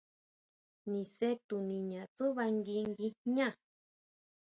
Nise tuniña tsúʼba ngui guijñá.